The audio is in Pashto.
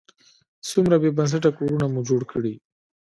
څومره بې بنسټه کورونه مو جوړ کړي.